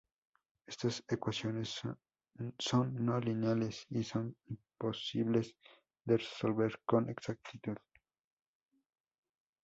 Estas ecuaciones son no lineales y son imposibles de resolver con exactitud.